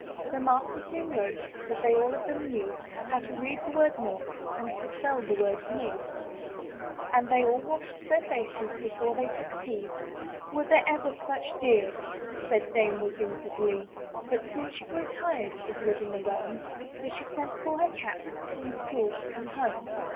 The master soon wrote That they all of them knew. How to read the word milk'' And to spell the word '*mew.*' 19 MY BOOK HOUSE And they all washed their faces Before they took tea: "Were there ever such dears!*' Said Dame Wiggins of Lee. But soon she grew tired Of Hving alone; So she sent for her cats From school to come home.